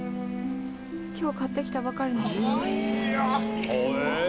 「今日買ってきたばかりのお皿です」